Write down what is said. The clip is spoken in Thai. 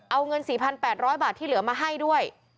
เอาเงิน๔๘๐๐บาทที่เหลือมาให้ด้วย